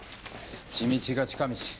地道が近道。